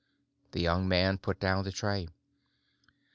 The young man put down the tray.